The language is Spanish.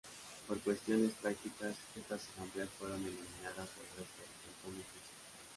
Por cuestiones prácticas estas asambleas fueron eliminadas del resto de cantones suizos.